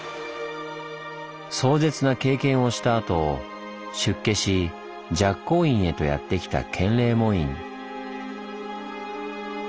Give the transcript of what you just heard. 壮絶な経験をしたあと出家し寂光院へとやって来た建礼門院。